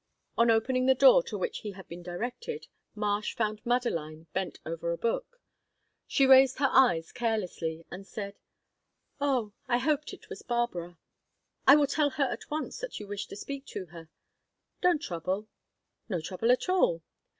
On opening the door to which he had been directed, Marsh found Madeline bent over a book. She raised her eyes carelessly, and said: "Oh, I hoped it was Barbara." "I will tell her at once that you wish to speak to her." "Don't trouble." "No trouble at all."